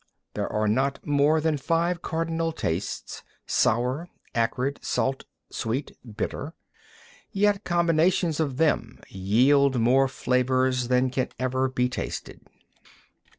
9. There are not more than five cardinal tastes (sour, acrid, salt, sweet, bitter), yet combinations of them yield more flavours than can ever be tasted.